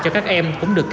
cho các em